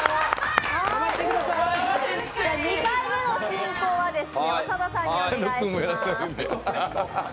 ２回目の進行は長田さんにお願いします。